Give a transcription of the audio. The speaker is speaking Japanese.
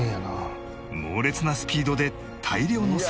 猛烈なスピードで大量の石炭を運ぶ